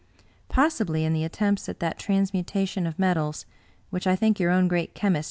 Possibly, in the attempts at that transmutation of metals, which I think your own great chemist.